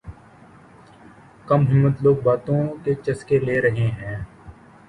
کم ہمت لوگ باتوں کے چسکے لے رہے ہیں